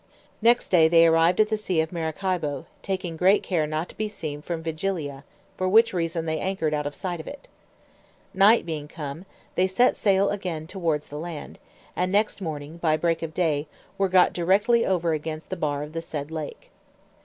Next day they arrived at the sea of Maracaibo, taking great care not to be seen from Vigilia, for which reason they anchored out of sight of it. Night being come, they set sail again towards the land, and next morning, by break of day, were got directly over against the bar of the said lake.